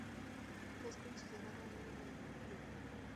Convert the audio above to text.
Es considerado un ídolo del club.